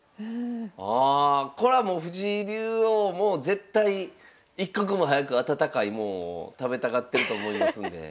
ああこれはもう藤井竜王も絶対一刻も早く温かいもんを食べたがってると思いますんで。